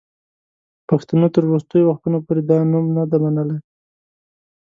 پښتنو تر وروستیو وختونو پوري دا نوم نه دی منلی.